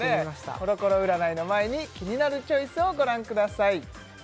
コロコロ占いの前に「キニナルチョイス」をご覧ください